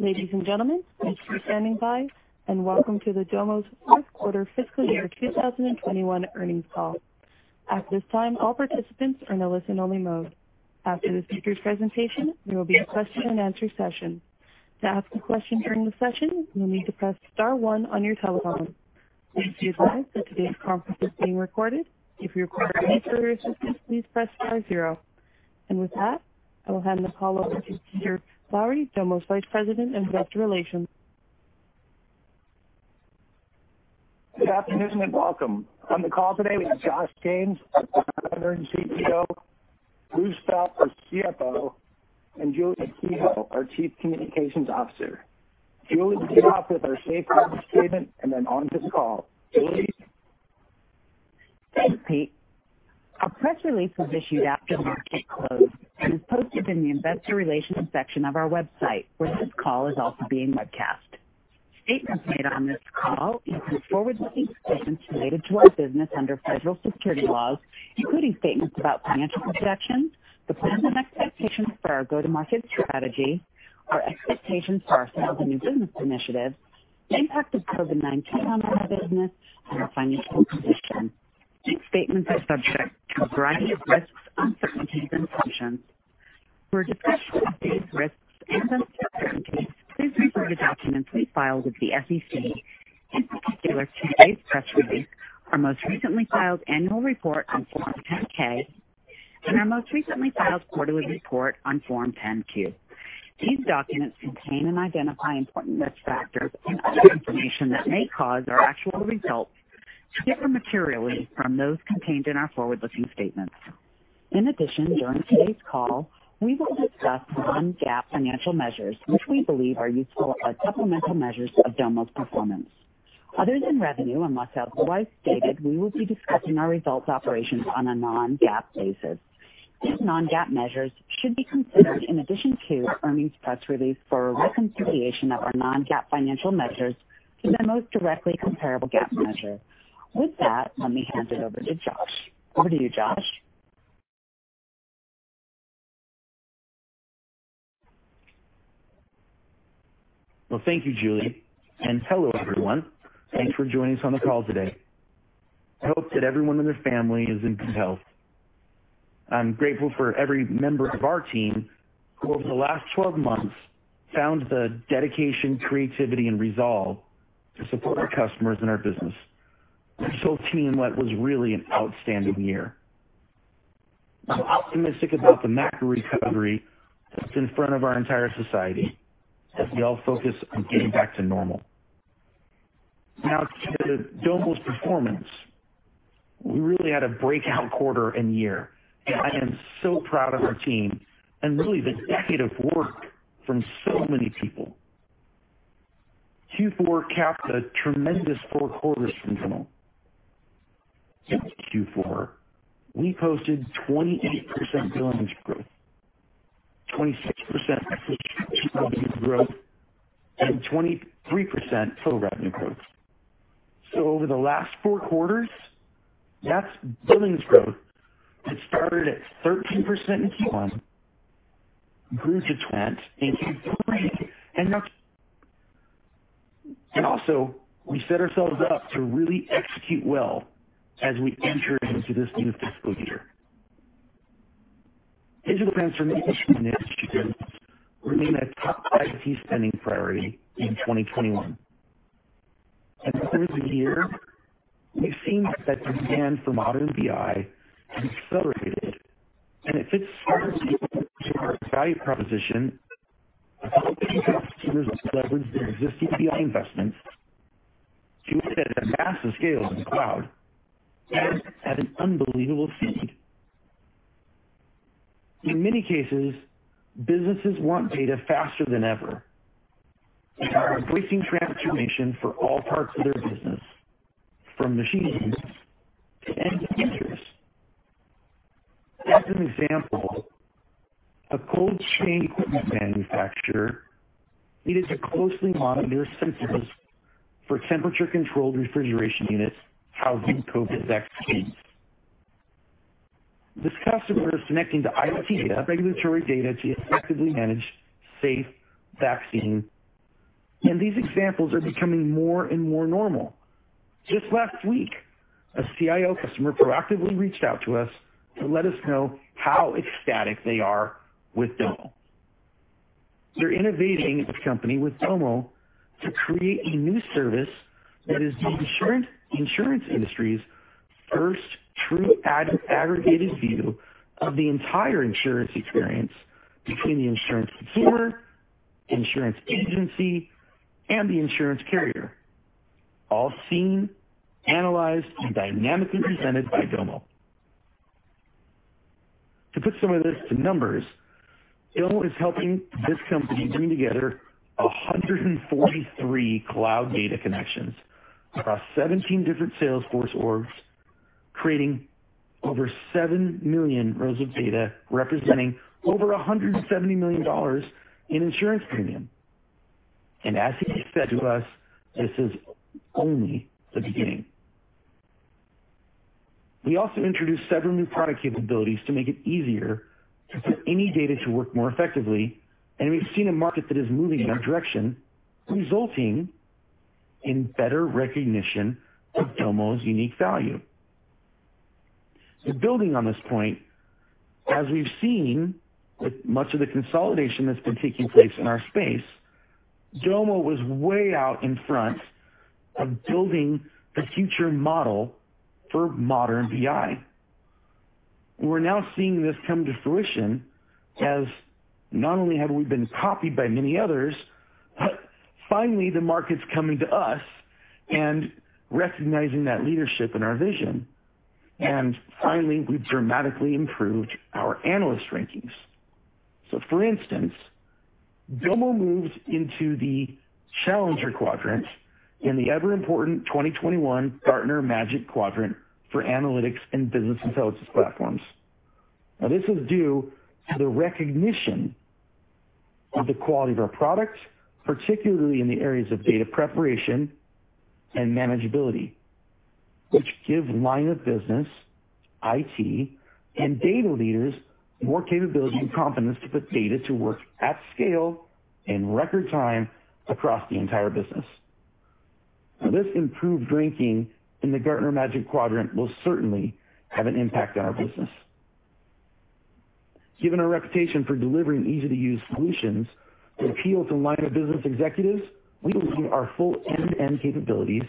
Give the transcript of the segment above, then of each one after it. Ladies and gentlemen, thank you for standing by. Welcome to the Domo fourth quarter fiscal year 2021 earnings call. At this time, all participants are in a listen-only mode. After the speakers' presentation, there will be a question-and-answer session. To ask a question during the session, you'll need to press star one on your telephone. Please be advised that today's conference is being recorded. If you require any operator assistance, please press star zero. With that, I will hand the call over to Peter Lowry, Domo's Vice President of Investor Relations. Good afternoon, and welcome. On the call today, we have Josh James, our Founder and CEO, Bruce Felt, our CFO, and Julie Kehoe, our Chief Communications Officer. Julie will kick off with our safe harbor statement, and then on to the call. Julie? Thanks, Pete. Our press release was issued after market close and is posted in the investor relations section of our website, where this call is also being webcast. Statements made on this call include forward-looking statements related to our business under federal securities laws, including statements about financial projections, the plans and expectations for our go-to-market strategy, our expectations for our sales and new business initiatives, the impact of COVID-19 on our business, and our financial position. These statements are subject to a variety of risks, uncertainties, and assumptions. For a discussion of these risks and uncertainties, please refer to documents we file with the SEC, in particular today's press release, our most recently filed annual report on Form 10-K, and our most recently filed quarterly report on Form 10-Q. These documents contain and identify important risk factors and other information that may cause our actual results to differ materially from those contained in our forward-looking statements. In addition, during today's call, we will discuss non-GAAP financial measures, which we believe are useful as supplemental measures of Domo's performance. Other than revenue, unless otherwise stated, we will be discussing our results of operations on a non-GAAP basis. These non-GAAP measures should be considered in addition to our earnings press release for a reconciliation of our non-GAAP financial measures to the most directly comparable GAAP measure. With that, let me hand it over to Josh. Over to you, Josh. Well, thank you, Julie, and hello, everyone. Thanks for joining us on the call today. I hope that everyone and their family is in good health. I am grateful for every member of our team who, over the last 12 months, found the dedication, creativity, and resolve to support our customers and our business, which helped team what was really an outstanding year. I am optimistic about the macro recovery that is in front of our entire society as we all focus on getting back to normal. Now, to Domo's performance, we really had a breakout quarter and year, and I am so proud of our team and really the decade of work from so many people. Q4 capped a tremendous four quarters from Domo. In Q4, we posted 28% billings growth, 26% revenue growth, and 23% total revenue growth. Over the last four quarters, that's billings growth that started at 13% in Q1, improved to 20% in Q3, and now, we set ourselves up to really execute well as we enter into this new fiscal year. Digital transformation initiatives remain a top IT spending priority in 2021. Over the year, we've seen that demand for modern BI has accelerated, and it fits strongly into our value proposition to help customers leverage their existing BI investments to work at a massive scale in the cloud and at an unbelievable speed. In many cases, businesses want data faster than ever, and are embracing transformation for all parts of their business, from machines to end users. As an example, a cold chain equipment manufacturer needed to closely monitor sensors for temperature-controlled refrigeration units housing COVID vaccines. This customer is connecting to IoT data, regulatory data to effectively manage safe vaccine. These examples are becoming more and more normal. Just last week, a CIO customer proactively reached out to us to let us know how ecstatic they are with Domo. They're innovating with the company with Domo to create a new service that is the insurance industry's first true aggregated view of the entire insurance experience between the insurance consumer, insurance agency, and the insurance carrier, all seen, analyzed, and dynamically presented by Domo. To put some of this to numbers, Domo is helping this company bring together 143 cloud data connections across 17 different Salesforce orgs, creating over 7 million rows of data representing over $170 million in insurance premium. As he said to us, this is only the beginning. We also introduced several new product capabilities to make it easier to put any data to work more effectively, and we've seen a market that is moving in that direction, resulting in better recognition of Domo's unique value. Building on this point, as we've seen with much of the consolidation that's been taking place in our space, Domo was way out in front of building the future model for modern BI. We're now seeing this come to fruition as not only have we been copied by many others, but finally the market's coming to us and recognizing that leadership and our vision. Finally, we've dramatically improved our analyst rankings. For instance, Domo moved into the challenger quadrant in the ever important 2021 Gartner Magic Quadrant for Analytics and Business Intelligence Platforms. This is due to the recognition of the quality of our product, particularly in the areas of data preparation and manageability, which give line of business, IT, and data leaders more capability and confidence to put data to work at scale in record time across the entire business. This improved ranking in the Gartner Magic Quadrant will certainly have an impact on our business. Given our reputation for delivering easy-to-use solutions that appeal to line of business executives, we believe our full end-to-end capabilities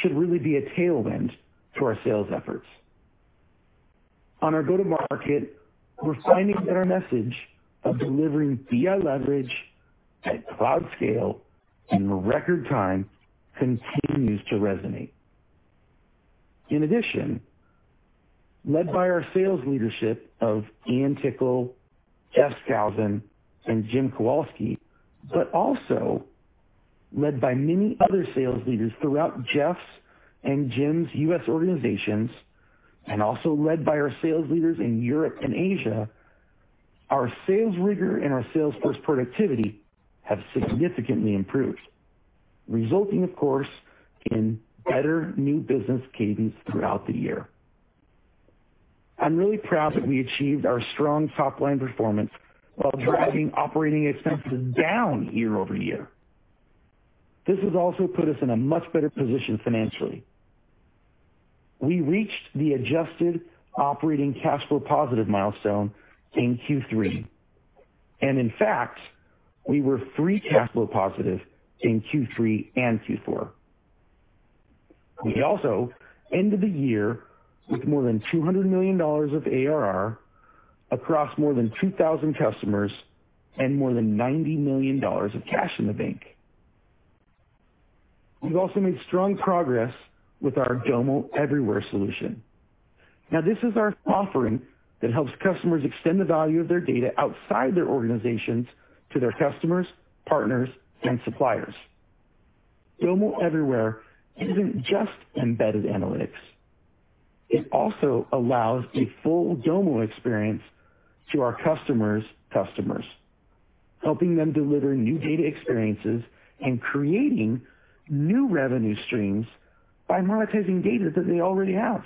should really be a tailwind to our sales efforts. On our go-to-market, we're finding that our message of delivering BI leverage at cloud scale in record time continues to resonate. In addition, led by our sales leadership of Ian Tickle, Jeff Skousen, and Jim Kowalski, but also led by many other sales leaders throughout Jeff's and Jim's U.S. organizations, and also led by our sales leaders in Europe and Asia, our sales rigor and our sales force productivity have significantly improved, resulting of course, in better new business cadence throughout the year. I'm really proud that we achieved our strong top-line performance while driving operating expenses down year-over-year. This has also put us in a much better position financially. We reached the adjusted operating cash flow positive milestone in Q3, and in fact, we were free cash flow positive in Q3 and Q4. We also ended the year with more than $200 million of ARR across more than 2,000 customers and more than $90 million of cash in the bank. We've also made strong progress with our Domo Everywhere solution. This is our offering that helps customers extend the value of their data outside their organizations to their customers, partners, and suppliers. Domo Everywhere isn't just embedded analytics. It also allows a full Domo experience to our customers' customers, helping them deliver new data experiences and creating new revenue streams by monetizing data that they already have.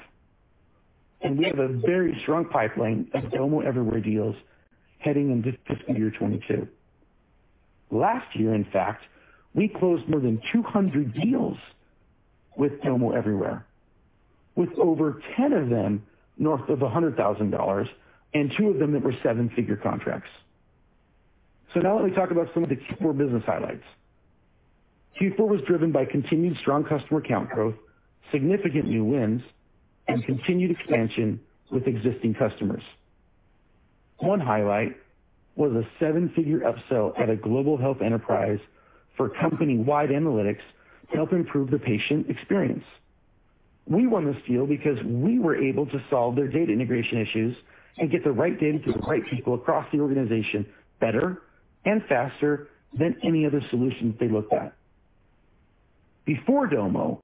We have a very strong pipeline of Domo Everywhere deals heading into fiscal year 2022. Last year, in fact, we closed more than 200 deals with Domo Everywhere, with over 10 of them north of $100,000, and two of them that were seven-figure contracts. Let me talk about some of the Q4 business highlights. Q4 was driven by continued strong customer count growth, significant new wins, and continued expansion with existing customers. One highlight was a seven-figure upsell at a global health enterprise for company-wide analytics to help improve the patient experience. We won this deal because we were able to solve their data integration issues and get the right data to the right people across the organization better and faster than any other solutions they looked at. Before Domo,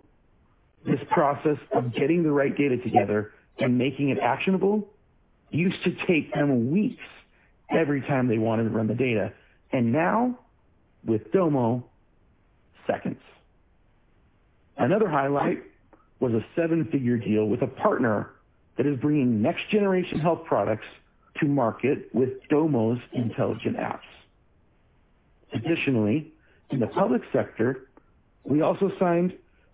this process of getting the right data together and making it actionable used to take them weeks every time they wanted to run the data. Now, with Domo, seconds. Another highlight was a seven-figure deal with a partner that is bringing next generation health products to market with Domo's intelligent apps. Additionally, in the public sector, we also signed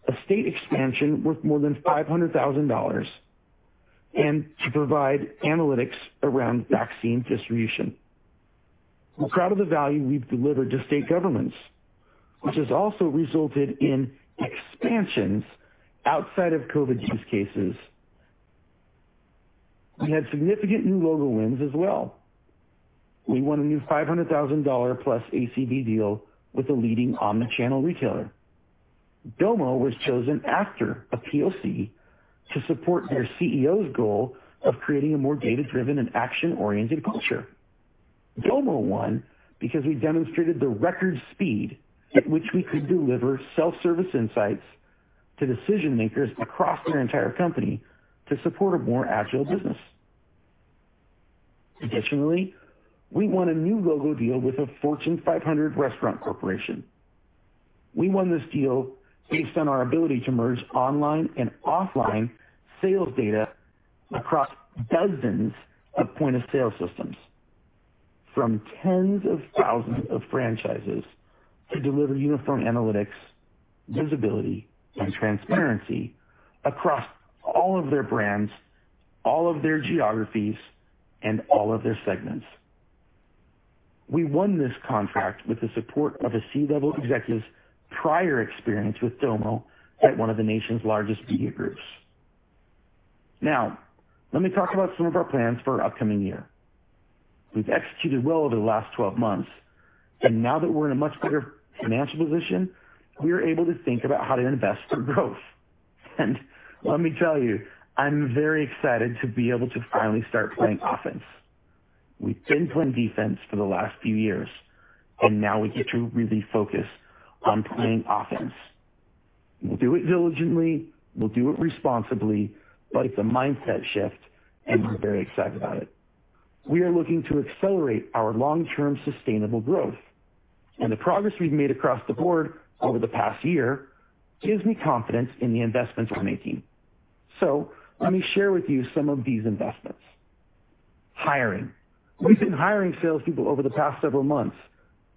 a state expansion worth more than $500,000 and to provide analytics around vaccine distribution. We're proud of the value we've delivered to state governments, which has also resulted in expansions outside of COVID use cases. We had significant new logo wins as well. We won a new $500,000-plus ACV deal with a leading omni-channel retailer. Domo was chosen after a POC to support their CEO's goal of creating a more data-driven and action-oriented culture. Domo won because we demonstrated the record speed at which we could deliver self-service insights to decision makers across their entire company to support a more agile business. Additionally, we won a new logo deal with a Fortune 500 restaurant corporation. We won this deal based on our ability to merge online and offline sales data across dozens of point-of-sale systems from tens of thousands of franchises to deliver uniform analytics, visibility, and transparency across all of their brands, all of their geographies, and all of their segments. We won this contract with the support of a C-level executive's prior experience with Domo at one of the nation's largest media groups. Let me talk about some of our plans for our upcoming year. We've executed well over the last 12 months. Now that we're in a much better financial position, we are able to think about how to invest for growth. Let me tell you, I'm very excited to be able to finally start playing offense. We've been playing defense for the last few years; now we get to really focus on playing offense. We'll do it diligently, we'll do it responsibly, it's a mindset shift, we're very excited about it. We are looking to accelerate our long-term sustainable growth, the progress we've made across the board over the past year gives me confidence in the investments we're making. Let me share with you some of these investments. Hiring: We've been hiring salespeople over the past several months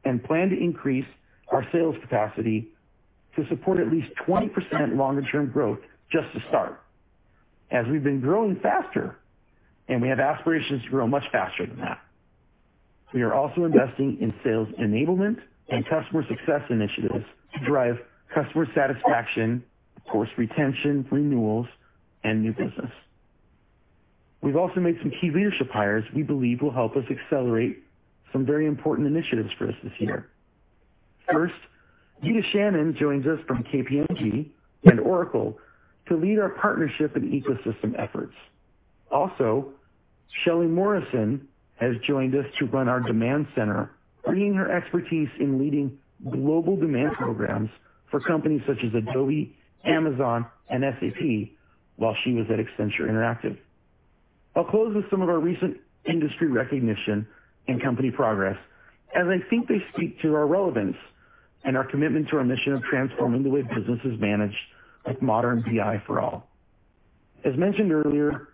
and plan to increase our sales capacity to support at least 20% longer-term growth just to start, as we've been growing faster, and we have aspirations to grow much faster than that. We are also investing in sales enablement and customer success initiatives to drive customer satisfaction, of course, retention, renewals, and new business. We've also made some key leadership hires we believe will help us accelerate some very important initiatives for us this year. First, Vita Shannon joins us from KPMG and Oracle to lead our partnership and ecosystem efforts. Also, Shelley Morrison has joined us to run our demand center, bringing her expertise in leading global demand programs for companies such as Adobe, Amazon, and SAP while she was at Accenture Interactive. I'll close with some of our recent industry recognition and company progress, as I think they speak to our relevance and our commitment to our mission of transforming the way business is managed with Modern BI for All. As mentioned earlier,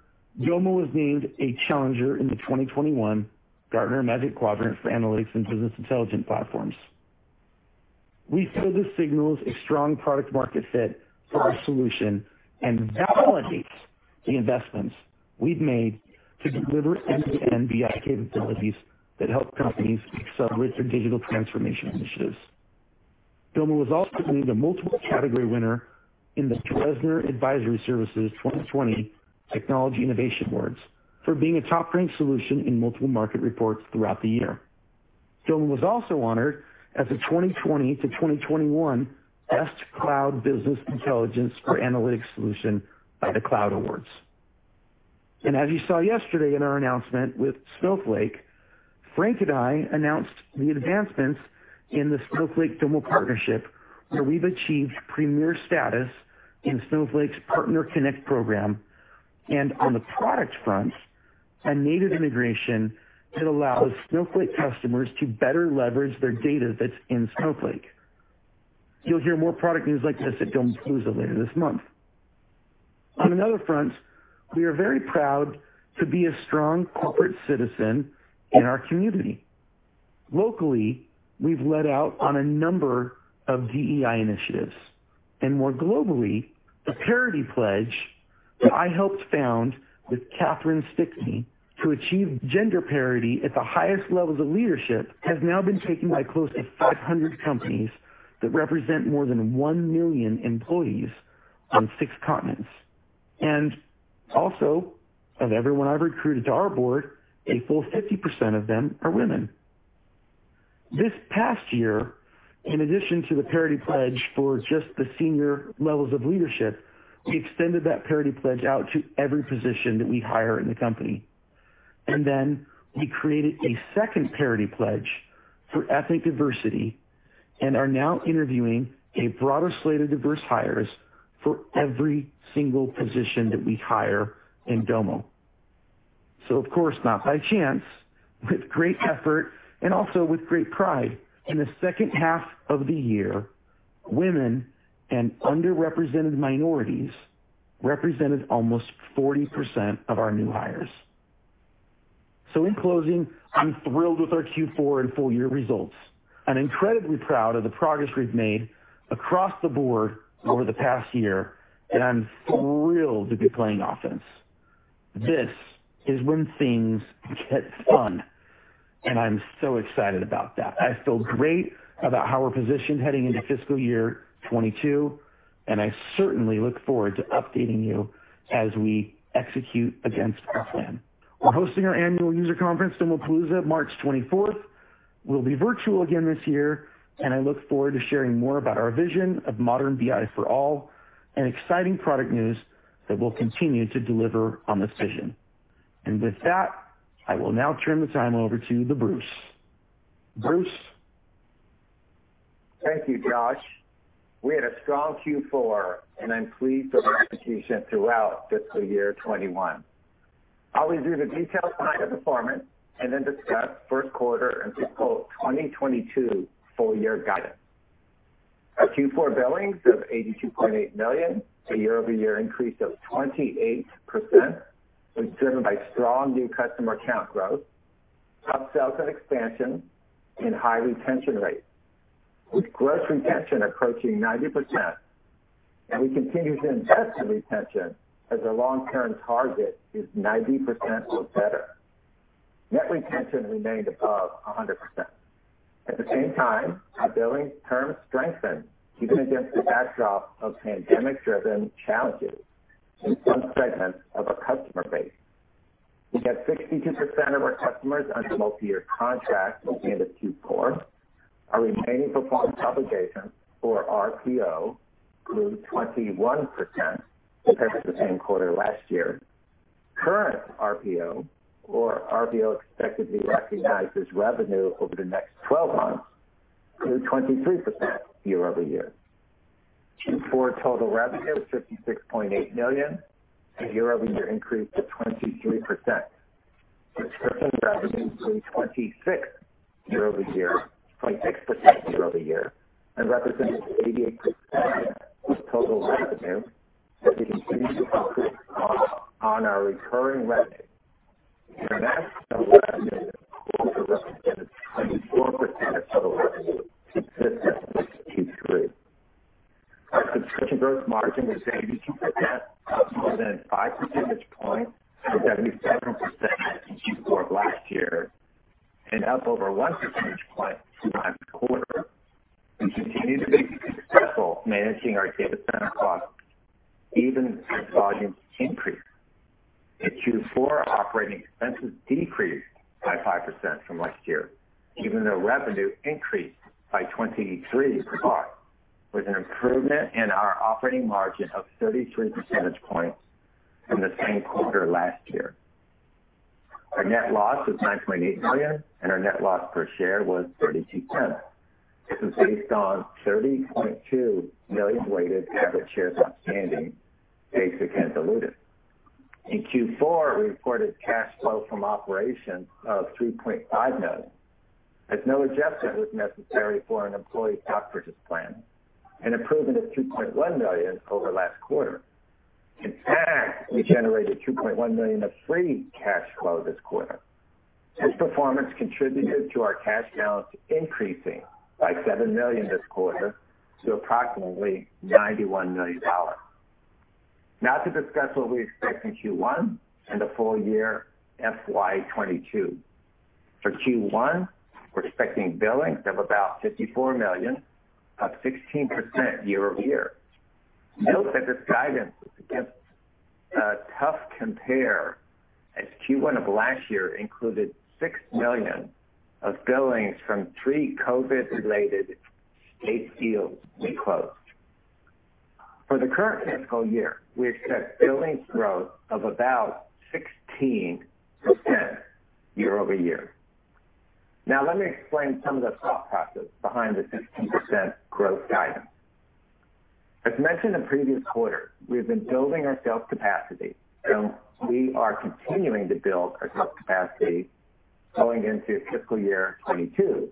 Domo was named a Challenger in the 2021 Gartner Magic Quadrant for Analytics and Business Intelligence Platforms. We feel this signals a strong product-market fit for our solution and validates the investments we've made to deliver end-to-end BI capabilities that help companies accelerate their digital transformation initiatives. Domo was also named a multiple-category winner in the Dresner Advisory Services 2020 Technology Innovation Awards for being a top-ranked solution in multiple market reports throughout the year. Domo was also honored as the 2020-2021 Best Cloud Business Intelligence for Analytics Solution by The Cloud Awards. As you saw yesterday in our announcement with Snowflake, Frank and I announced the advancements in the Snowflake-Domo partnership, where we've achieved Premier status in Snowflake's Partner Connect Program, and on the product front, a native integration that allows Snowflake customers to better leverage their data that's in Snowflake. You'll hear more product news like this at Domopalooza later this month. On another front, we are very proud to be a strong corporate citizen in our community. Locally, we've led out on a number of DEI initiatives, and more globally, the ParityPledge that I helped found with Cathrin Stickney to achieve gender parity at the highest levels of leadership has now been taken by close to 500 companies that represent more than 1 million employees on six continents. Also, of everyone I've recruited to our board, a full 50% of them are women. This past year, in addition to the ParityPledge for just the senior levels of leadership, we extended that ParityPledge out to every position that we hire in the company. We created a second ParityPledge for ethnic diversity and are now interviewing a broader slate of diverse hires for every single position that we hire in Domo. Of course, not by chance, with great effort, and also with great pride, in the second half of the year, women and underrepresented minorities represented almost 40% of our new hires. In closing, I'm thrilled with our Q4 and full-year results. I'm incredibly proud of the progress we've made across the board over the past year, and I'm thrilled to be playing offense. This is when things get fun, and I'm so excited about that. I feel great about how we're positioned heading into fiscal year 2022, and I certainly look forward to updating you as we execute against our plan. We're hosting our annual user conference, Domopalooza, March 24th. We'll be virtual again this year, and I look forward to sharing more about our vision of Modern BI for All and exciting product news that will continue to deliver on this vision. With that, I will now turn the time over to Bruce. Bruce? Thank you, Josh. We had a strong Q4, and I'm pleased with our execution throughout fiscal year 2021. I'll review the details behind the performance and then discuss first quarter and fiscal year 2022 full year guidance. Our Q4 billings of $82.8 million, a year-over-year increase of 28%, was driven by strong new customer account growth, upsells and expansion, and high retention rates, with gross retention approaching 90%. We continue to invest in retention, as our long-term target is 90% or better. Net retention remained above 100%. At the same time, our billings terms strengthened, even against the backdrop of pandemic-driven challenges in some segments of our customer base. We had 62% of our customers under multi-year contracts within the Q4. Our remaining performance obligations, or RPO, grew 21% compared to the same quarter last year. Current RPO, or RPO expected to be recognized as revenue over the next 12 months, grew 23% year-over-year. Q4 total revenue of $56.8 million, a year-over-year increase of 23%, with subscription revenue of 26% year-over-year, and represented 88% of total revenue, as we continue to focus on our recurring revenue. International revenue in the quarter represented 24% of total revenue, consistent with Q3. Our subscription gross margin was 82%, up more than 5 percentage points from 77% in Q4 of last year, and up over 1 percentage point from last quarter. We continue to be successful managing our data center costs, even as volumes increase. The Q4 operating expenses decreased by 5% from last year, even though revenue increased by 23%, with an improvement in our operating margin of 33 percentage points from the same quarter last year. Our net loss was $9.8 million, and our net loss per share was $0.32. This is based on 30.2 million weighted average shares outstanding, basic and diluted. In Q4, we reported cash flow from operations of $3.5 million, as no adjustment was necessary for an employee stock purchase plan, an improvement of $2.1 million over last quarter. We generated $2.1 million of free cash flow this quarter. This performance contributed to our cash balance increasing by $7 million this quarter to approximately $91 million. Now, to discuss what we expect in Q1 and the full year FY 2022. For Q1, we're expecting billings of about $54 million, up 16% year-over-year. Note that this guidance is against a tough compare, as Q1 of last year included $6 million of billings from three COVID-related state deals we closed. For the current fiscal year, we expect billings growth of about 16% year-over-year. Let me explain some of the thought process behind the 16% growth guidance. As mentioned in previous quarters, we have been building our sales capacity, and we are continuing to build our sales capacity going into fiscal year 2022.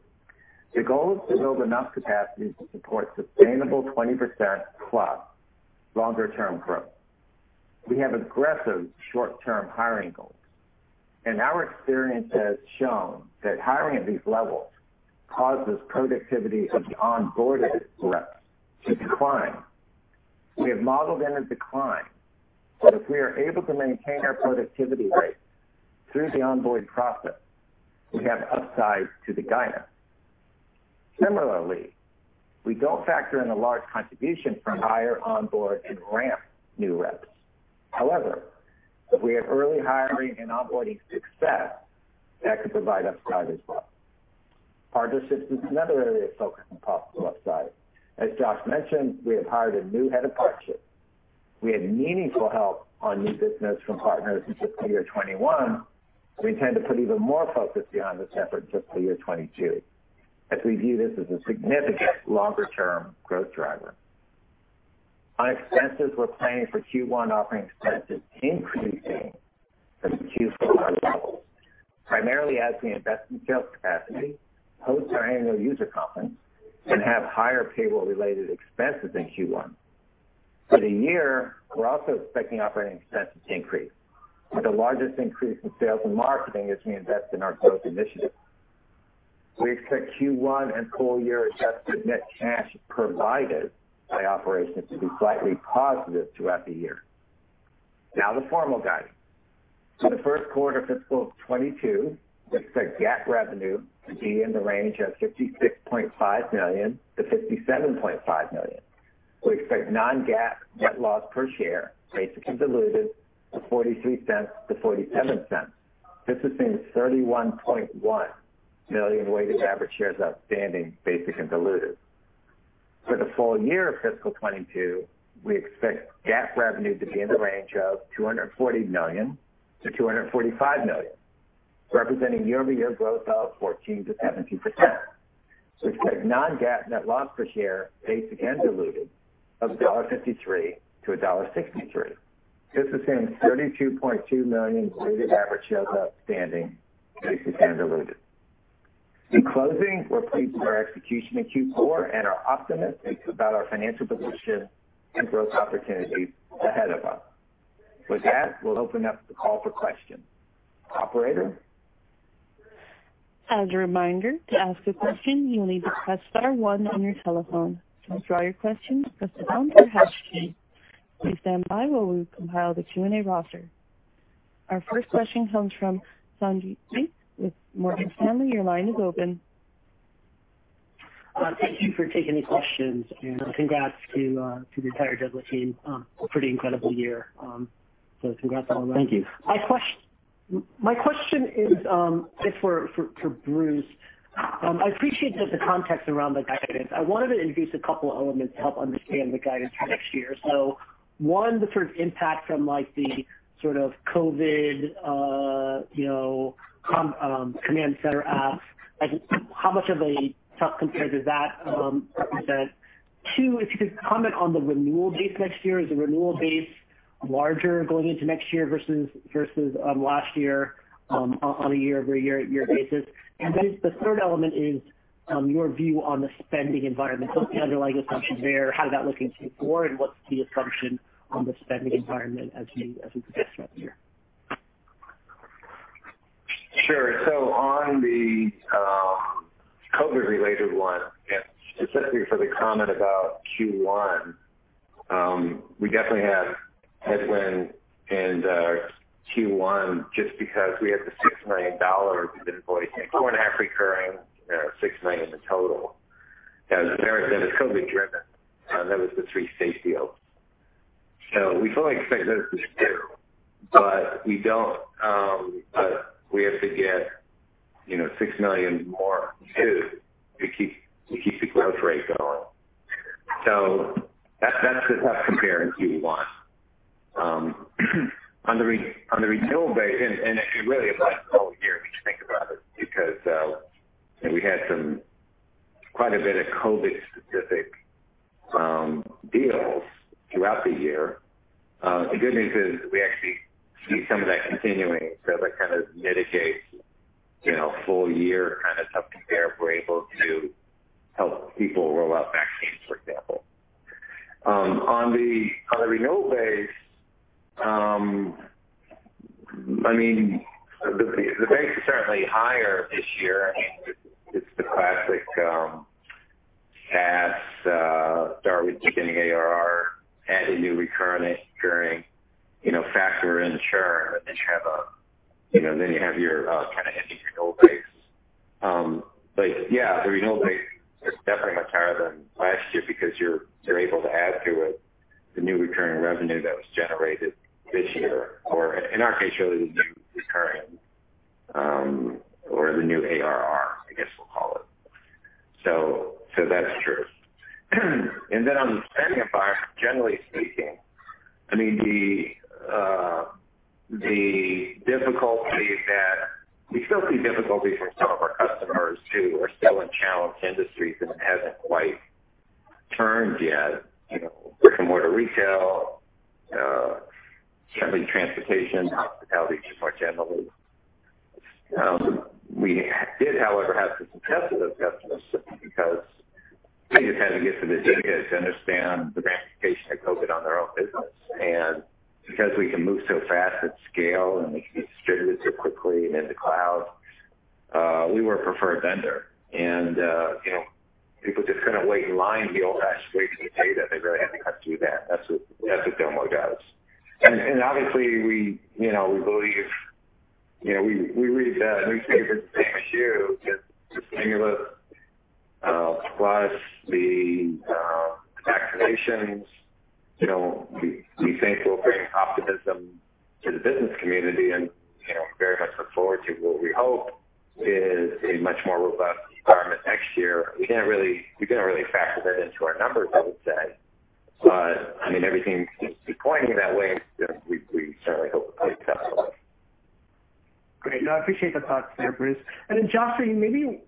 The goal is to build enough capacity to support sustainable 20%+ longer-term growth. We have aggressive short-term hiring goals, and our experience has shown that hiring at these levels causes productivity of the onboarded reps to decline. We have modeled in a decline, but if we are able to maintain our productivity rates through the onboard process, we have upside to the guidance. Similarly, we don't factor in a large contribution from hiring, onboarding, and ramping new reps. However, if we have early hiring and onboarding success, that could provide upside as well. Partnerships is another area of focus and possible upside. As Josh mentioned, we have hired a new head of partnerships. We had meaningful help on new business from partners in fiscal year 2021. We intend to put even more focus behind this effort in fiscal year 2022, as we view this as a significant longer-term growth driver. On expenses, we're planning for Q1 operating expenses increasing from Q4 levels, primarily as we invest in sales capacity, host our annual user conference, and have higher payable-related expenses in Q1. For the year, we're also expecting operating expenses to increase, with the largest increase in sales and marketing as we invest in our growth initiatives. We expect Q1 and full year adjusted net cash provided by operations to be slightly positive throughout the year. Now, the formal guidance. For the first quarter of fiscal 2022, we expect GAAP revenue to be in the range of $56.5 million-$57.5 million. We expect non-GAAP net loss per share, basic and diluted, of $0.43-$0.47. This is in 31.1 million weighted average shares outstanding, basic and diluted. For the full year of fiscal 2022, we expect GAAP revenue to be in the range of $240 million-$245 million. Representing year-over-year growth of 14%-17%. We've got non-GAAP net loss per share, basic and diluted, of $1.53-$1.63. This assumes 32.2 million diluted average shares outstanding, basic and diluted. In closing, we're pleased with our execution in Q4 and are optimistic about our financial position and growth opportunities ahead of us. With that, we'll open up the call for questions. Operator? As a reminder to ask a question, you'll need to press star one on your telephone. To withdraw your question, press the star pound key. Please standby while we compile the Q&A roster. Our first question comes from Sanjit Singh with Morgan Stanley. Your line is open. Thank you for taking the questions, and congrats to the entire Domo team. Pretty incredible year. Congrats all around. Thank you. My question is for Bruce. I appreciate the context around the guidance. I wanted to introduce a couple elements to help understand the guidance for next year. One, the impact from the sort of COVID command center asks, how much of a tough compare does that represent? Two, if you could comment on the renewal base next year. Is the renewal base larger going into next year versus last year on a year-over-year basis? The third element is your view on the spending environment. What's the underlying assumption there? How is that looking for Q4, and what's the assumption on the spending environment as we progress next year? Sure. On the COVID-related one, and specifically for the comment about Q1, we definitely have headwind in Q1 just because we had the $6 million we've been voicing, $2.5 million recurring, $6 million in total, and the narrative that is COVID-driven, that was the three state deals. We fully expect those to zero, but we have to get $6 million more too to keep the growth rate going. That's the tough compare in Q1. On the renewal base, and actually, really, it applies to the whole year if you think about it, because we had quite a bit of COVID-specific deals throughout the year. The good news is we actually see some of that continuing, so that kind of mitigates full-year kind of tough compare. We're able to help people roll out vaccines, for example. On the renewal base, the base is certainly higher this year. It's the classic SaaS start with beginning ARR, add a new recurring factor in the churn, and then you have your kind of ending renewal base. Yeah, the renewal base is definitely much higher than last year because you're able to add to it the new recurring revenue that was generated this year. In our case, really, the new recurring, or the new ARR, I guess we'll call it. That's true. On the spending environment, generally speaking, we still see difficulties from some of our customers, too, who are still in challenged industries, and it hasn't quite turned yet. Brick-and-mortar retail, certainly transportation, hospitality, just more generally. We did, however, have some success with those customers simply because they just had to get to the data to understand the ramifications of COVID on their own business. Because we can move so fast at scale, and we can distribute it so quickly and in the cloud, we were a preferred vendor. People just couldn't wait in line the old-fashioned way to get the data. They really had to cut through that. That's what Domo does. Obviously, we read the newspapers same as you, the stimulus plus the vaccinations, we think will bring optimism to the business community, and we very much look forward to what we hope is a much more robust environment next year. We couldn't really factor that into our numbers, I would say, but everything seems to be pointing that way. We certainly hope it plays out that way. Great. No, I appreciate the thoughts there, Bruce. Josh, maybe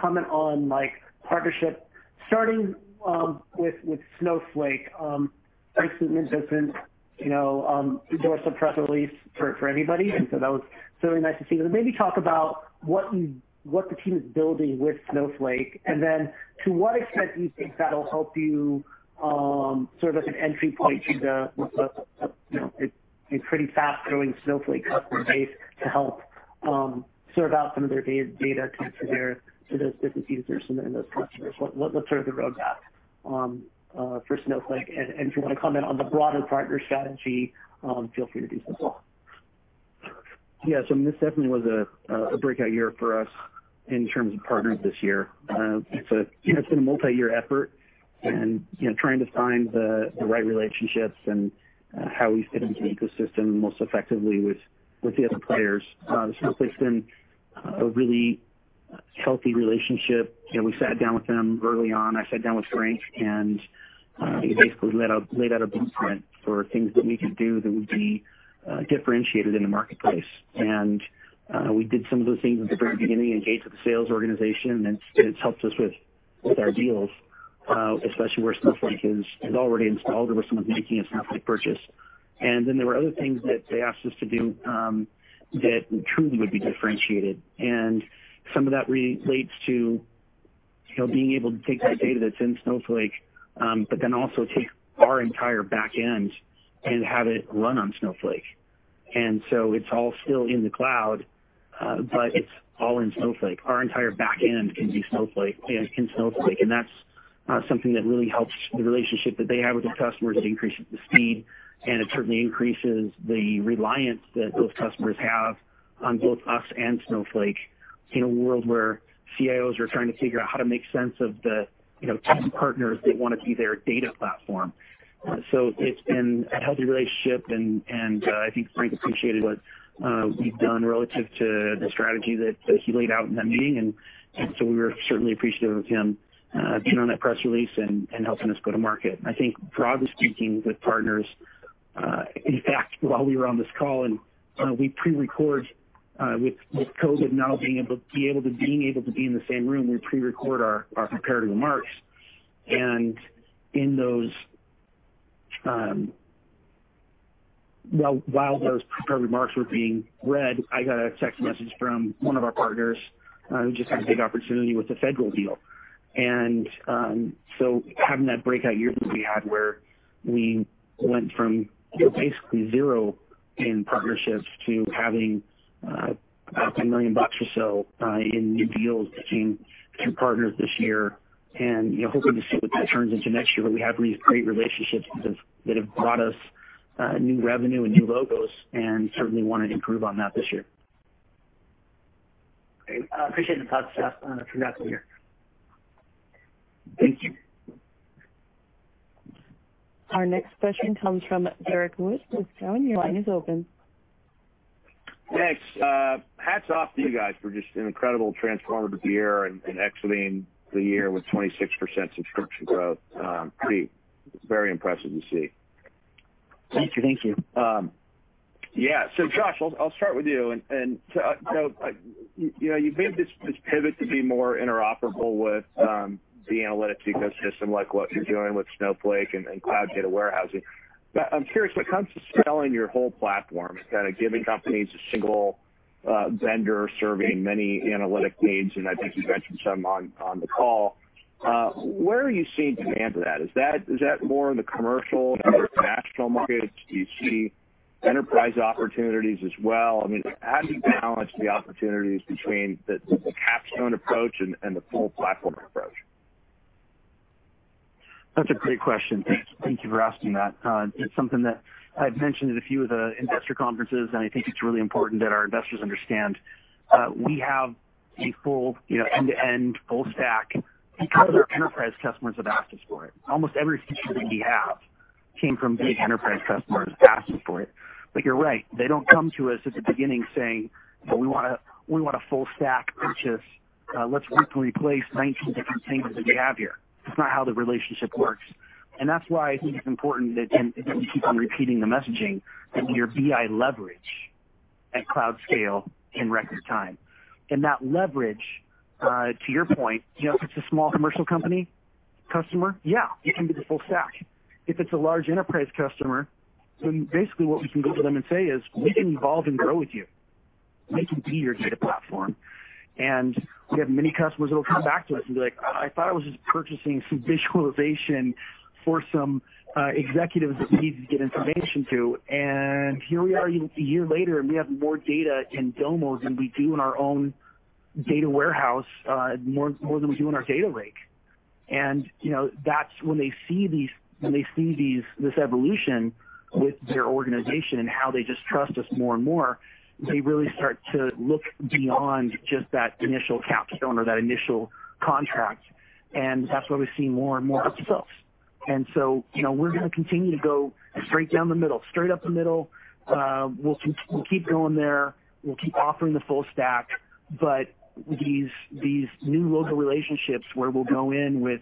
comment on partnership, starting with Snowflake. Obviously, there's been a press release for everybody, that was certainly nice to see. Maybe talk about what the team is building with Snowflake, then to what extent do you think that'll help you sort of as an entry point to the pretty fast-growing Snowflake customer base to help serve out some of their data to those business users, and then those customers? What's sort of the roadmap for Snowflake? If you want to comment on the broader partner strategy, feel free to do so as well. Yeah. I mean this definitely was a breakout year for us in terms of partners this year. It's been a multi-year effort in trying to find the right relationships and how we fit into the ecosystem most effectively with the other players. Snowflake's been a really healthy relationship. We sat down with them early on. I sat down with Frank, and he basically laid out a blueprint for things that we could do that would be differentiated in the marketplace. We did some of those things at the very beginning, engaged with the sales organization, and it's helped us with our deals, especially where Snowflake is already installed, or where someone's making a Snowflake purchase. There were other things that they asked us to do that truly would be differentiated. Some of that relates to being able to take that data that's in Snowflake, also take our entire backend and have it run on Snowflake. It's all still in the cloud, but it's all in Snowflake. Our entire backend can be in Snowflake, that's something that really helps the relationship that they have with their customers. It increases the speed; it certainly increases the reliance that those customers have on both us and Snowflake in a world where CIOs are trying to figure out how to make sense of the tech partners they want to be their data platform. It's been a healthy relationship, I think Frank appreciated what we've done relative to the strategy that he laid out in that meeting. We were certainly appreciative of him being on that press release and helping us go to market. I think broadly speaking, with partners, in fact, while we were on this call, and with COVID now being able to be in the same room, we pre-record our prepared remarks. While those prepared remarks were being read, I got a text message from one of our partners who just had a big opportunity with a federal deal. Having that breakout year that we had, where we went from basically zero in partnerships to having about $10 million or so in new deals between two partners this year, and hoping to see what that turns into next year. We have these great relationships that have brought us new revenue and new logos, and certainly want to improve on that this year. Great. Appreciate the thoughts, Josh, on a productive year. Thank you. Our next question comes from Derrick Wood with Cowen. Your line is open. Thanks. Hats off to you guys for just an incredible transformative year and exiting the year with 26% subscription growth. Pretty, very impressive to see. Thank you. Thank you. Yeah. Josh, I'll start with you. You've made this pivot to be more interoperable with the analytics ecosystem, like what you're doing with Snowflake and cloud data warehousing. I'm curious, when it comes to selling your whole platform, kind of giving companies a single vendor serving many analytic needs, and I think you mentioned some on the call, where are you seeing demand for that? Is that more in the commercial or international markets? Do you see enterprise opportunities as well? How do you balance the opportunities between the capstone approach and the full platform approach? That's a great question. Thank you for asking that. It's something that I've mentioned at a few of the investor conferences, and I think it's really important that our investors understand. We have a full end-to-end, full stack because our enterprise customers have asked us for it. Almost every feature that we have came from the enterprise customers asking for it. You're right, they don't come to us at the beginning saying, "We want a full stack purchase. Let's rip and replace 19 different things that we have here." That's not how the relationship works. That's why I think it's important that we keep on repeating the messaging, that we are BI leverage at cloud scale in record time. That leverage, to your point, if it's a small commercial company customer, yeah, it can be the full stack. If it's a large enterprise customer, then basically what we can go to them and say is, "We can evolve and grow with you. We can be your data platform." We have many customers that'll come back to us and be like, "I thought I was just purchasing some visualization for some executives that we needed to get information to, and here we are a year later, and we have more data in Domo than we do in our own data warehouse, more than we do in our data lake." When they see this evolution with their organization and how they just trust us more and more, they really start to look beyond just that initial capstone or that initial contract, and that's why we've seen more and more of this. We're going to continue to go straight down the middle, straight up the middle. We'll keep going there. We'll keep offering the full stack. These new logo relationships, where we'll go in with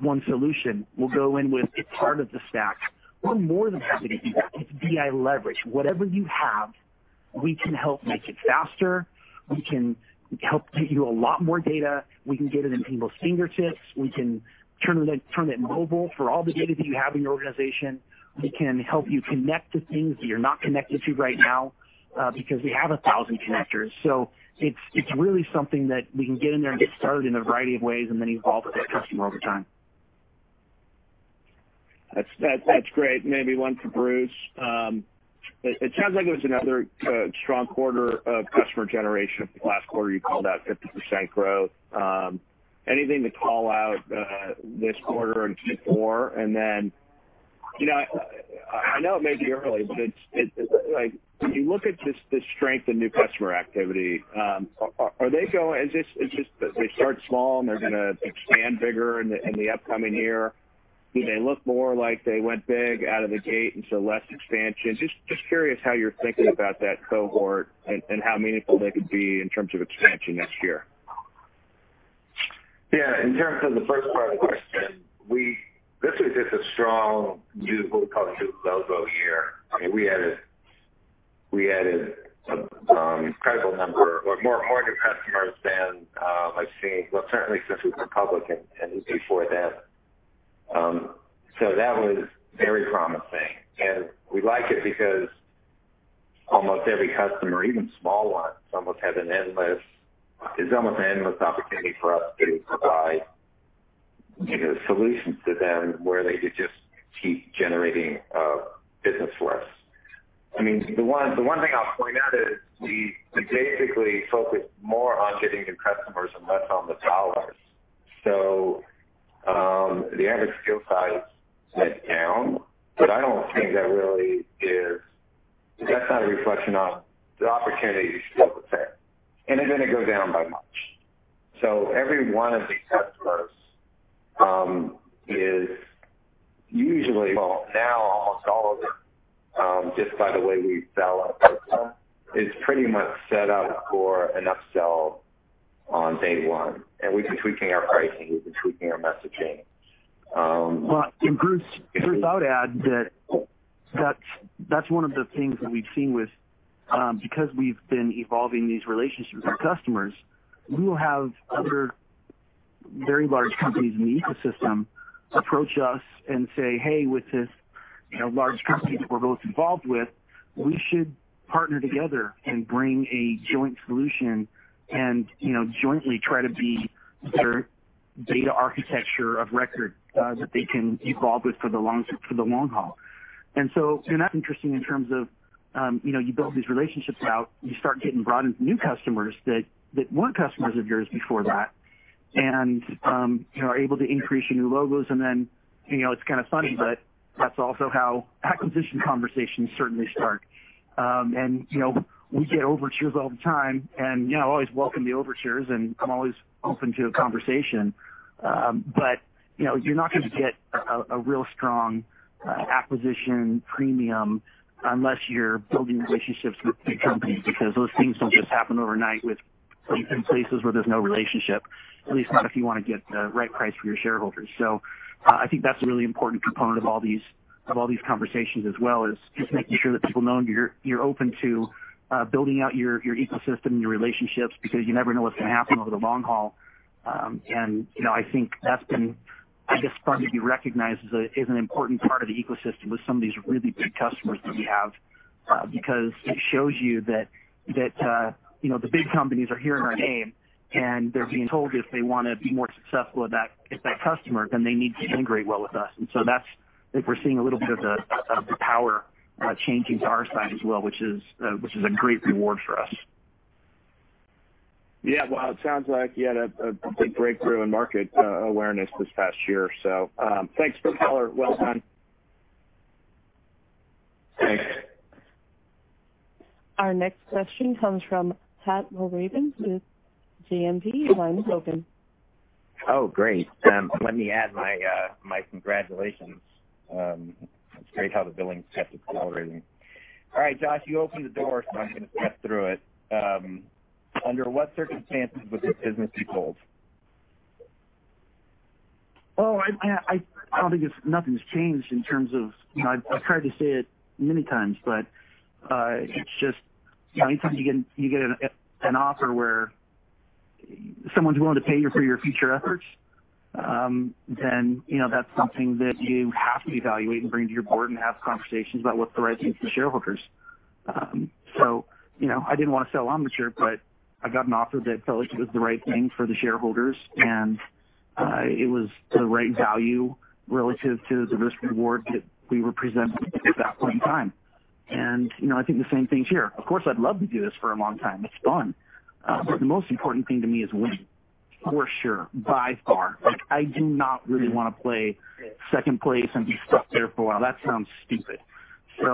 one solution, we'll go in with a part of the stack, we're more than happy to do that. It's BI leverage. Whatever you have, we can help make it faster. We can help get you a lot more data. We can get it into people's fingertips. We can turn it mobile for all the data that you have in your organization. We can help you connect to things that you're not connected to right now, because we have a thousand connectors. It's really something that we can get in there and get started in a variety of ways, and then evolve with that customer over time. That's great. Maybe one for Bruce. It sounds like it was another strong quarter of customer generation. Last quarter, you called out 50% growth. Anything to call out this quarter in Q4? I know it may be early, but when you look at the strength in new customer activity, are they going as it's just they start small, and they're going to expand bigger in the upcoming year? Do they look more like they went big out of the gate, and so less expansion? Just curious how you're thinking about that cohort and how meaningful they could be in terms of expansion next year. In terms of the first part of the question, this was just a strong, what we call new logo year. We added a credible number or more customers than I've seen, certainly since we've gone public and before then. That was very promising. We like it because almost every customer, even small ones, it's almost an endless opportunity for us to provide solutions to them, where they could just keep generating business for us. The one thing I'll point out is we basically focus more on getting new customers and less on the dollars. The average deal size went down. That's not a reflection on the opportunities we still could fit. It didn't go down by much. Every one of these customers is usually, well, now almost all of them, just by the way we sell our platform, is pretty much set up for an upsell on day one. We've been tweaking our pricing, we've been tweaking our messaging. Well, Bruce, I would add that that's one of the things that we've seen with, because we've been evolving these relationships with customers, we will have other very large companies in the ecosystem approach us and say, "Hey, with this large company that we're both involved with, we should partner together and bring a joint solution and jointly try to be their data architecture of record that they can evolve with for the long haul." That's interesting in terms of you build these relationships out, you start getting brought into new customers that weren't customers of yours before that, and are able to increase your new logos, then it's kind of funny, but that's also how acquisition conversations certainly start. We get overtures all the time. I always welcome the overtures, and I'm always open to a conversation. You're not going to get a real strong acquisition premium unless you're building relationships with big companies, because those things don't just happen overnight in places where there's no relationship, at least not if you want to get the right price for your shareholders. I think that's a really important component of all these conversations as well, is just making sure that people know you're open to building out your ecosystem and your relationships because you never know what's going to happen over the long haul. I think that's been, I guess, starting to be recognized as an important part of the ecosystem with some of these really big customers that we have, because it shows you that the big companies are hearing our name, and they're being told if they want to be more successful with that customer, then they need to integrate well with us. That's I think we're seeing a little bit of the power changing to our side as well, which is a great reward for us. Yeah. Well, it sounds like you had a big breakthrough in market awareness this past year. Thanks for the color. Well done. Thanks. Our next question comes from Patrick Walravens with JMP. Your line is open. Oh, great. Let me add my congratulations. It's great how the billings kept accelerating. All right, Josh, you opened the door, so I'm going to step through it. Under what circumstances would this business be sold? I don't think nothing's changed in terms of I've tried to say it many times, it's just anytime you get an offer where someone's willing to pay you for your future efforts, that's something that you have to evaluate and bring to your board and have conversations about what's the right thing for the shareholders. I didn't want to sell Omniture. I got an offer that felt like it was the right thing for the shareholders; it was the right value relative to the risk/reward that we were presented at that point in time. I think the same thing is here. Of course, I'd love to do this for a long time. It's fun. The most important thing to me is winning, for sure, by far. I do not really want to play second place and be stuck there for a while. That sounds stupid. We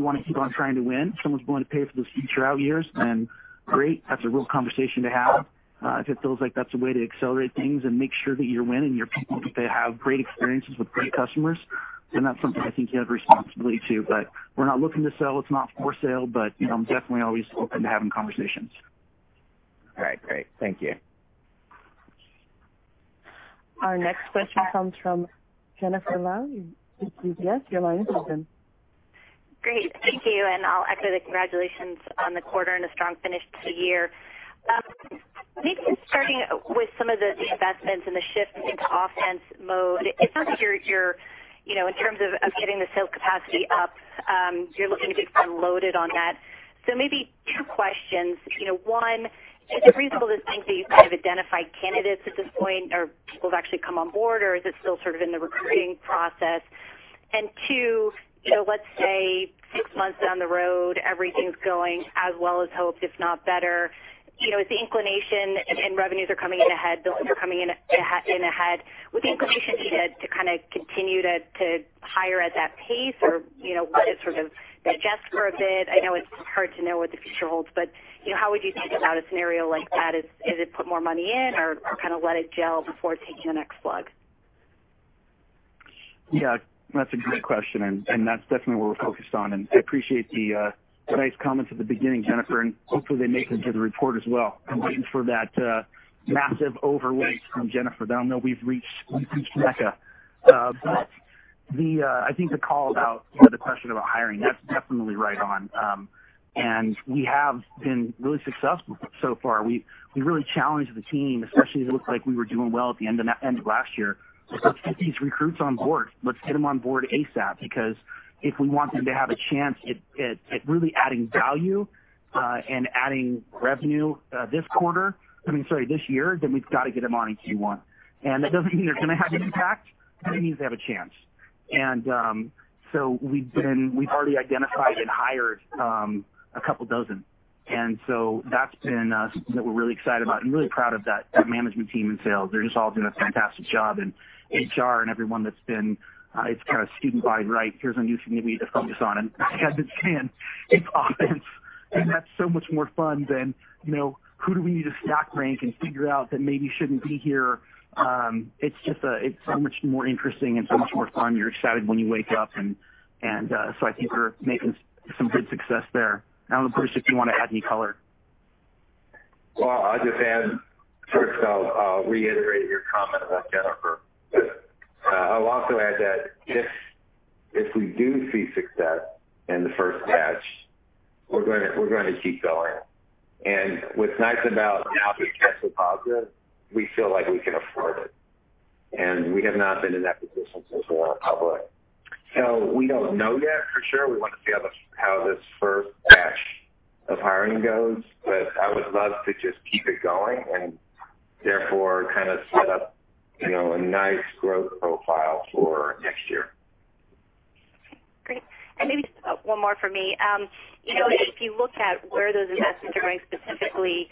want to keep on trying to win. If someone's willing to pay for those future out years, then great. That's a real conversation to have. If it feels like that's a way to accelerate things and make sure that you're winning, your people, that they have great experiences with great customers, then that's something I think you have a responsibility to. We're not looking to sell. It's not for sale, but I'm definitely always open to having conversations. All right. Great. Thank you. Our next question comes from Jennifer Lowe with UBS. Your line is open. Great. Thank you. I'll echo the congratulations on the quarter and a strong finish to the year. Maybe just starting with some of the investments and the shift into offense mode. It sounds like you're, in terms of getting the sales capacity up, you're looking to get unloaded on that. Maybe two questions. One, is it reasonable to think that you've kind of identified candidates at this point, or people have actually come on board, or is it still sort of in the recruiting process? Two, let's say six months down the road, everything's going as well as hoped, if not better. With the inclination and revenues are coming in ahead, billings are coming in ahead, would the inclination be then to kind of continue to hire at that pace? Or let it sort of digest for a bit? I know it's hard to know what the future holds. How would you think about a scenario like that? Is it put more money in or kind of let it gel before taking the next slug? Yeah, that's a great question, and that's definitely what we're focused on, and I appreciate the nice comments at the beginning, Jennifer, and hopefully they make it into the report as well. I'm waiting for that massive overweight from Jennifer. I'll know we've reached mecca. I think the call about the question about hiring that's definitely right on. We have been really successful so far. We really challenged the team, especially as it looked like we were doing well at the end of last year. Let's get these recruits on board. Let's get them on board ASAP, because if we want them to have a chance at really adding value and adding revenue this year, then we've got to get them on in Q1. That doesn't mean they're going to have impact, but it means they have a chance. We've already identified and hired a couple dozen. That's been something that we're really excited about and really proud of that management team in sales. They're just all doing a fantastic job. HR and everyone that's been. It's kind of student body right? Here's a new thing we need to focus on, and God forbid, it's offense. That's so much more fun than, who do we need to stock rank and figure out that maybe shouldn't be here? It's so much more interesting and so much more fun. You're excited when you wake up. So I think we're making some good success there. Bruce, of course, if you want to add any color. I'll just add, first, I'll reiterate your comment about Jennifer. I'll also add that if we do see success in the first batch, we're going to keep going. What's nice about now being cash positive, we feel like we can afford it, and we have not been in that position since we went public. We don't know yet for sure. We want to see how this first batch of hiring goes. I would love to just keep it going and, therefore kind of set up a nice growth profile for next year. Okay, great. Maybe just one more from me. If you look at where those investments are going, specifically,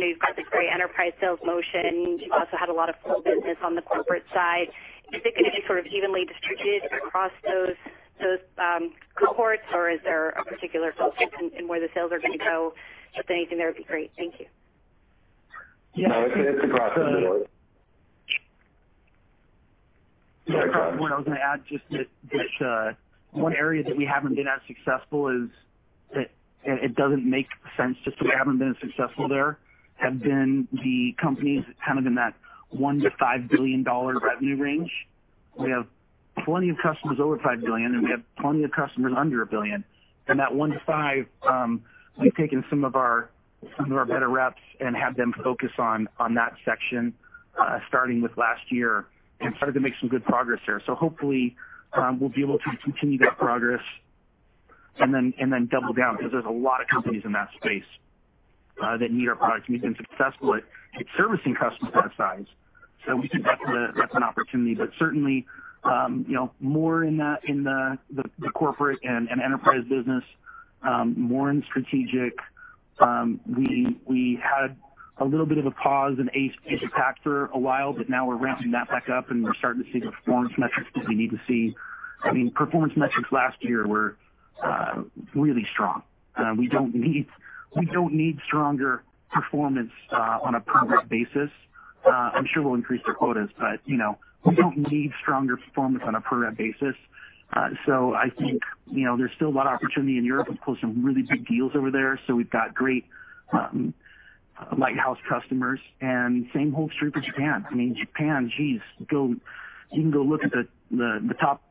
you've got this great enterprise sales motion. You've also had a lot of flow of business on the corporate side. Is it going to be sort of evenly distributed across those cohorts, or is there a particular focus in where the sales are going to go? Just anything there would be great. Thank you. No, it's across the board. What I was going to add, just that one area that we haven't been as successful, is that it doesn't make sense, just that we haven't been successful there; the companies kind of in that $1 billion-$5 billion revenue range. We have plenty of customers over $5 billion. We have plenty of customers under $1 billion. That $1 billion-$5 billion, we've taken some of our better reps and had them focus on that section, starting with last year, and started to make some good progress there. Hopefully, we'll be able to continue that progress and then double down because there's a lot of companies in that space that need our product. We've been successful at servicing customers that size. We think that's an opportunity, but certainly, more in the corporate and enterprise business, more in strategic. We had a little bit of a pause in APAC for a while. Now we're ramping that back up, and we're starting to see the performance metrics that we need to see. Performance metrics last year were really strong. We don't need stronger performance on a per-rep basis. I'm sure we'll increase their quotas. We don't need stronger performance on a per-rep basis. I think there's still a lot of opportunity in Europe. We've closed some really big deals over there. We've got great lighthouse customers, and same holds true for Japan. I mean, Japan, geez, you can go look at the top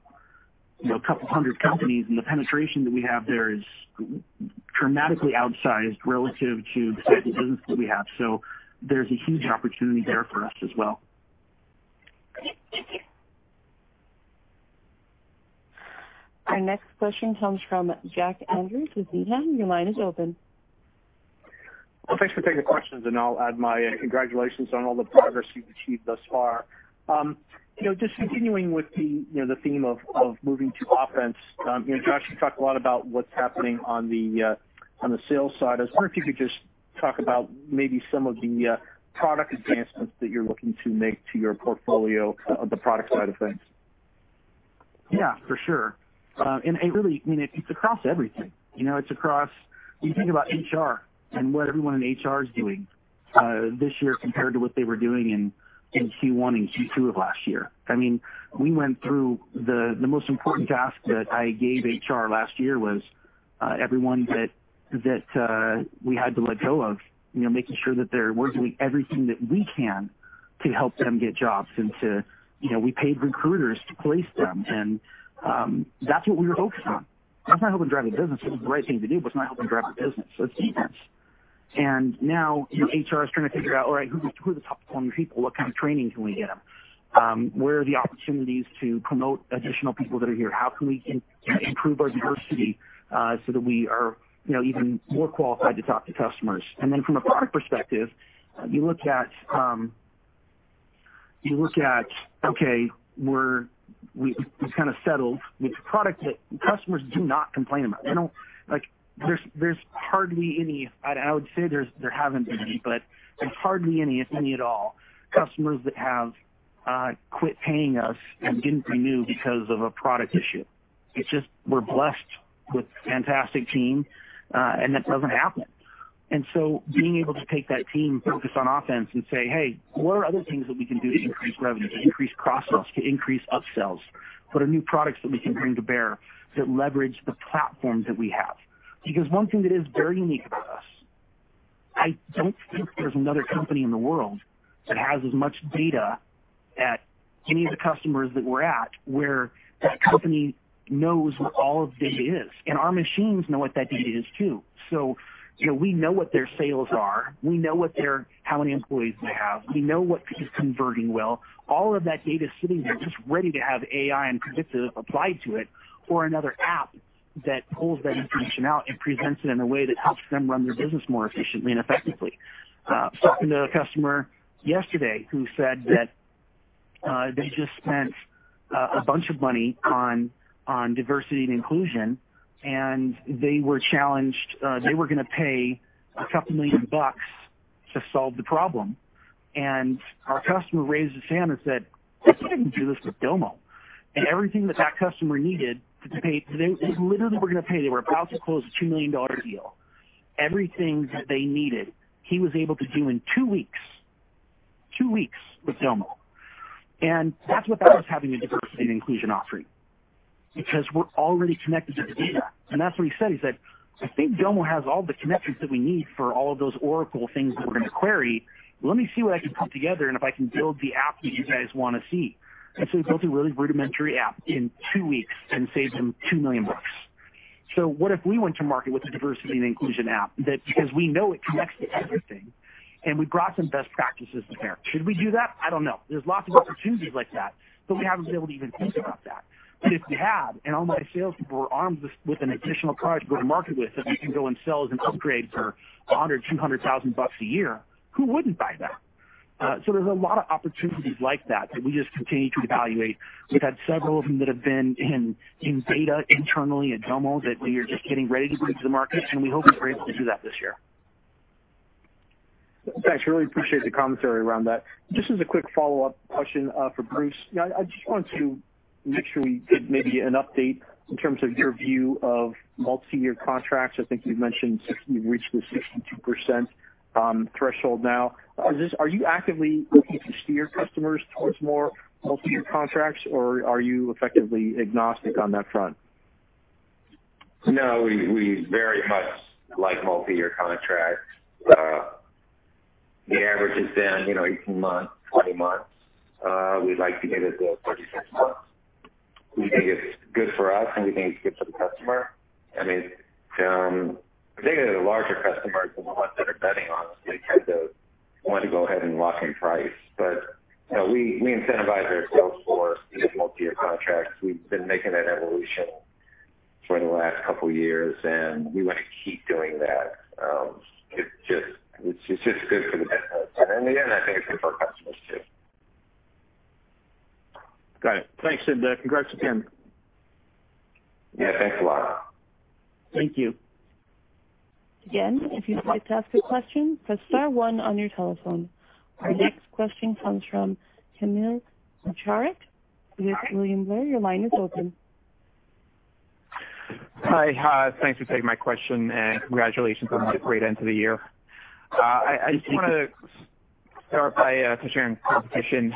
couple hundred companies. The penetration that we have there is dramatically outsized relative to the size of business that we have. There's a huge opportunity there for us as well. Great. Thank you. Our next question comes from Jack Andrews with Needham. Your line is open. Well, thanks for taking the questions, and I'll add my congratulations on all the progress you've achieved thus far. Just continuing with the theme of moving to offense. Josh, you talked a lot about what's happening on the sales side. I was wondering if you could just talk about maybe some of the product advancements that you're looking to make to your portfolio of the product side of things. Yeah, for sure. Really, it's across everything. You think about HR and what everyone in HR is doing, this year compared to what they were doing in Q1 and Q2 of last year. The most important task that I gave HR last year was everyone that we had to let go of, making sure that we're doing everything that we can to help them get jobs, and we paid recruiters to place them. That's what we were focused on. That's not helping drive the business. It was the right thing to do, but it's not helping drive the business. It's defense. Now HR is trying to figure out, "All right, who are the top performing people? What kind of training can we get them?" Where are the opportunities to promote additional people that are here? How can we improve our diversity so that we are even more qualified to talk to customers? From a product perspective, you look at okay, we're just kind of settled with product that customers do not complain about. There's hardly any. I would say there haven't been any, but there's hardly any, if any at all, customers that have quit paying us and didn't renew because of a product issue. It's just we're blessed with a fantastic team, and that doesn't happen. Being able to take that team focused on offense and say, "Hey, what are other things that we can do to increase revenue, to increase cross-sells, to increase up-sells? What are new products that we can bring to bear that leverage the platform that we have? One thing that is very unique about us, I don't think there's another company in the world that has as much data at any of the customers that we're at, where that company knows what all of the data is, and our machines know what that data is too. We know what their sales are, we know how many employees they have, we know what is converting well. All of that data is sitting there just ready to have AI and predictive applied to it, or another app that pulls that information out and presents it in a way that helps them run their business more efficiently and effectively. I was talking to a customer yesterday who said that they just spent a bunch of money on diversity and inclusion, and they were challenged. They were going to pay $2 million-$3 million to solve the problem, and our customer raised his hand and said, "Guess I can do this with Domo." Everything that that customer needed to pay, they literally were going to pay; they were about to close a $2 million deal. Everything that they needed, he was able to do in two weeks with Domo. That's without us having a diversity and inclusion offering, because we're already connected to the data. That's what he said. He said, "I think Domo has all the connections that we need for all of those Oracle things that we're going to query. Let me see what I can put together, and if I can build the app that you guys want to see. He built a really rudimentary app in two weeks and saved them $2 million. What if we went to market with a diversity and inclusion app that, because we know it connects to everything, and we brought some best practices to bear. Should we do that? I don't know. There's lots of opportunities like that, but we haven't been able to even think about that. If we have, and all my salespeople were armed with an additional product to go to market with that we can go and sell as an upgrade for $100,000, $200,000 a year, who wouldn't buy that? There's a lot of opportunities like that we just continue to evaluate. We've had several of them that have been in data internally at Domo that we are just getting ready to bring to the market, and we hope that we're able to do that this year. Thanks. Really appreciate the commentary around that. Just as a quick follow-up question for Bruce. I just wanted to make sure we get maybe an update in terms of your view of multi-year contracts. I think you've mentioned you've reached the 62% threshold now. Are you actively looking to steer customers towards more multi-year contracts, or are you effectively agnostic on that front? No, we very much like multi-year contracts. The average has been 18 months, 20 months. We'd like to get it to 36 months. We think it's good for us, and we think it's good for the customer. Particularly, the larger customers are the ones that are betting on us. They kind of want to go ahead and lock in price. We incentivize our sales force to get multi-year contracts. We've been making that evolution for the last couple of years, and we want to keep doing that. It's just good for the business. In the end, I think it's good for our customers, too. Got it. Thanks, and congrats again. Yeah, thanks a lot. Thank you. Again, if you'd like to ask a question, press star one on your telephone. Our next question comes from Kamil Mielczarek with William Blair. Your line is open. Hi. Thanks for taking my question. Congratulations on the great end to the year. I just want to start by sharing competition.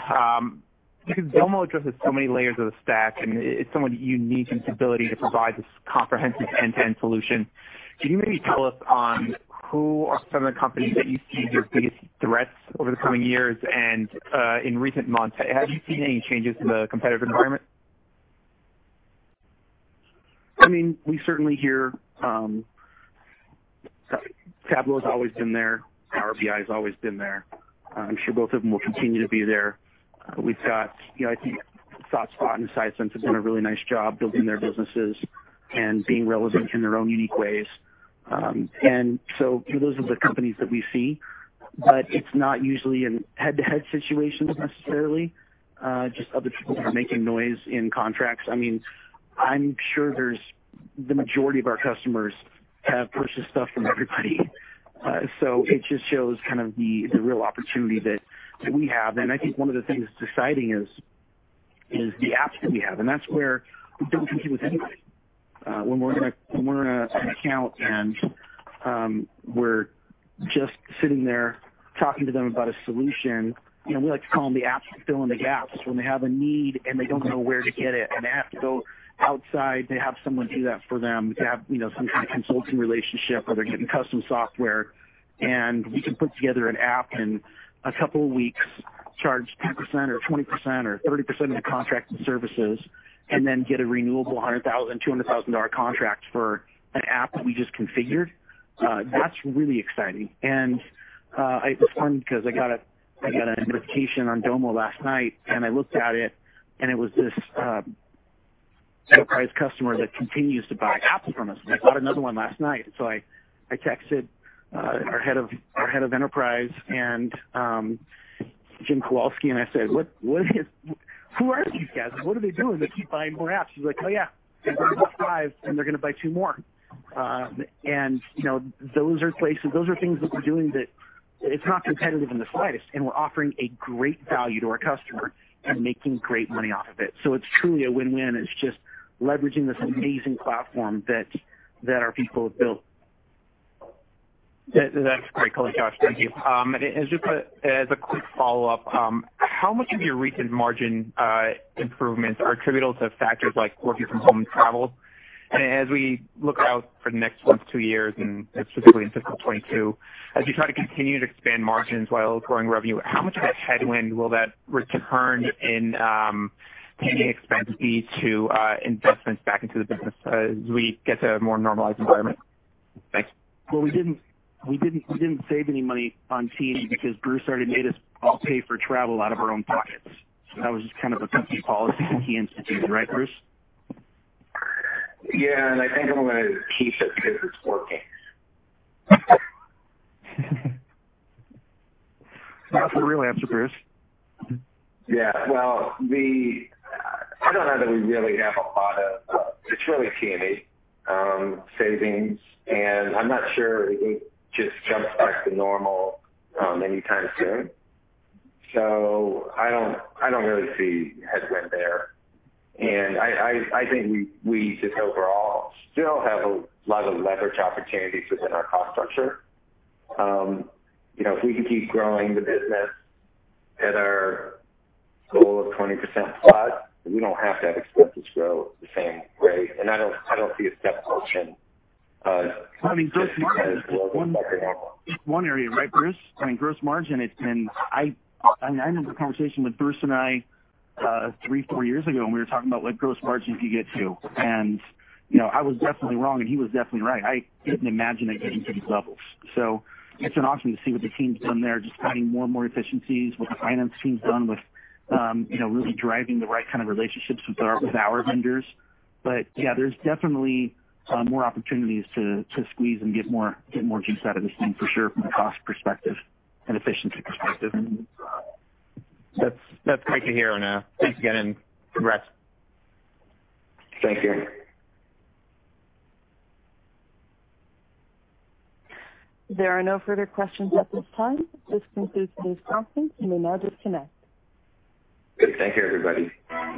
Domo addresses so many layers of the stack, and it's somewhat unique in its ability to provide this comprehensive end-to-end solution. Can you maybe tell us on who are some of the companies that you see as your biggest threats over the coming years? In recent months, have you seen any changes in the competitive environment? We certainly hear Tableau's always been there. Power BI has always been there. I'm sure both of them will continue to be there. I think ThoughtSpot and Sisense have done a really nice job building their businesses and being relevant in their own unique ways. Those are the companies that we see, but it's not usually in head-to-head situations necessarily, just other people that are making noise in contracts. I'm sure the majority of our customers have purchased stuff from everybody. It just shows the real opportunity that we have. I think one of the things that's exciting is the apps that we have, and that's where we don't compete with anybody. When we're in an account, and we're just sitting there talking to them about a solution, we like to call them the apps that fill in the gaps. When they have a need, and they don't know where to get it, and they have to go outside to have someone do that for them, to have some kind of consulting relationship, or they're getting custom software. We can put together an app in a couple of weeks, charge 10% or 20% or 30% in contract and services, and then get a renewable $100,000, $200,000 contract for an app that we just configured. That's really exciting. It's fun because I got a notification on Domo last night, and I looked at it, and it was this enterprise customer that continues to buy apps from us, and I got another one last night. I texted our Head of Enterprise, Jim Kowalski, and I said, "Who are these guys? What are they doing? They keep buying more apps." He's like, "Oh, yeah. They bought five, and they're going to buy two more. Those are things that we're doing that. It's not competitive in the slightest, and we're offering a great value to our customer and making great money off of it. It's truly a win-win, and it's just leveraging this amazing platform that our people have built. That's great color, Josh. Thank you. Just as a quick follow-up, how much of your recent margin improvements are attributable to factors like working from home and travel? As we look out for the next one to two years, and specifically in FY 2022, as you try to continue to expand margins while growing revenue, how much of a headwind will that return in paying expenses to investments back into the business as we get to a more normalized environment? Thanks. Well, we didn't save any money on T&E because Bruce already made us all pay for travel out of our own pockets. That was just kind of a company policy that he instituted, right, Bruce? Yeah, I think I'm going to keep it because it's working. That's the real answer, Bruce. Yeah. Well, I don't know that we really have a lot. It's really T&E savings, and I'm not sure it just jumps back to normal anytime soon. I don't really see headwind there. I think we just overall still have a lot of leverage opportunities within our cost structure. If we can keep growing the business at our goal of 20%+, we don't have to have expenses grow at the same rate. I don't see a step function. Well, I mean, gross margin. As low as leverage. Is one area, right, Bruce? I mean, gross margin, I mean, I remember the conversation with Bruce and I, three, four years ago. We were talking about what gross margin could get to. I was definitely wrong, and he was definitely right. I couldn't imagine it getting to these levels. It's been awesome to see what the team's done there, just finding more and more efficiencies, what the finance team's done with really driving the right kind of relationships with our vendors. Yeah, there's definitely some more opportunities to squeeze and get more juice out of this thing for sure, from a cost perspective and efficiency perspective. That's great to hear. Thanks again, and congrats. Thank you. There are no further questions at this time. This concludes today's conference. You may now disconnect. Good. Thank you, everybody.